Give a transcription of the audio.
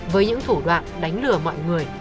với những thủ đoạn đánh lừa mọi người